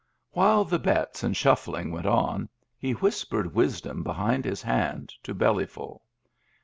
While the bets and shuffling went on, he whispered wisdom behind his hand to Bellyful.